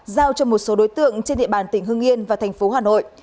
giao cho một số đối tượng trên địa bàn tỉnh hưng yên và thành phố hà nội